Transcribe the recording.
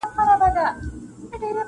• شاعر: خلیل جبران -